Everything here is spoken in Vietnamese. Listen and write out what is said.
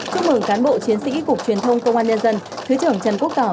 chúc mừng cán bộ chiến sĩ cục truyền thông công an nhân dân thứ trưởng trần quốc tỏ